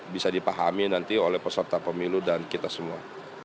bisa dipahami nanti oleh peserta pemilu dan kita semua